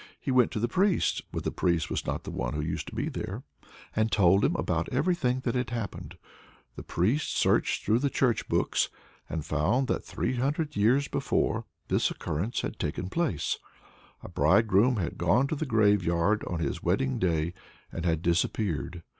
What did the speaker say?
He went to the priest's but the priest was not the one who used to be there and told him about everything that had happened. The priest searched through the church books, and found that, three hundred years before, this occurrence had taken place: a bridegroom had gone to the graveyard on his wedding day, and had disappeared.